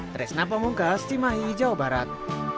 teresna pemungkas di mahi jawa barat